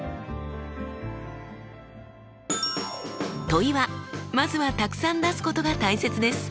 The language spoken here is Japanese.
問いはまずはたくさん出すことが大切です。